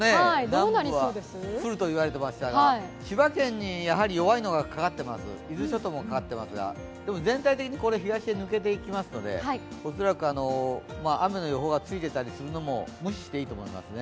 南部は降ると言われてましたが、千葉県に弱いのがかかっています、伊豆諸島にもかかっていますが、全体的に東へ抜けていきますので恐らく、雨の予想がついていたりするのも無視していいと思います。